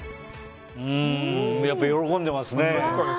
やっぱり、喜んでますね。